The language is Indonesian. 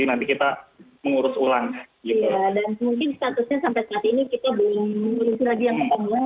iya dan mungkin statusnya sampai saat ini kita belum ngurus lagi yang ke pamulang